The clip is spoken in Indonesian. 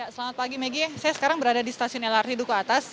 selamat pagi megi saya sekarang berada di stasiun lrt duku atas